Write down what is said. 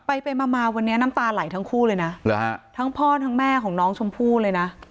ไปไปมามาวันนี้น้ำตาไหลทั้งคู่เลยนะทั้งพ่อทั้งแม่ของน้องชมพู่เลยนะ